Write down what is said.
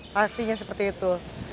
pastinya seperti itu